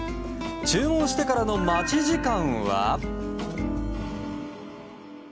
注文してからの待ち時間は。